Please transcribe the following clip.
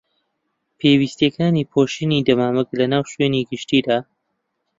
پێویستیەکانی پۆشینی دەمامک لەناو شوێنی گشتیدا